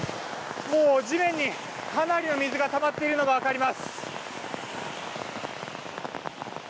もう地面にかなりの水がたまっているのが分かります。